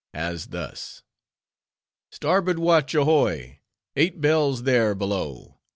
As thus:— "Starboard watch, ahoy! eight bells there, below!